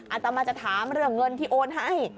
อาจจะมาจะถามเรื่องเงินที่โอนให้